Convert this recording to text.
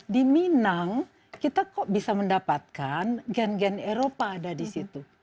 di minang kita kok bisa mendapatkan gen gen eropa ada di situ